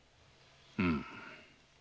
うん。